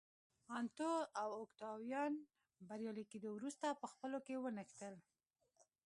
انتو او اوکتاویان بریالي کېدو وروسته په خپلو کې ونښتل